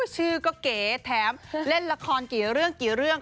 ชื่อก็เก๋แถมเล่นละครกี่เรื่องกี่เรื่อง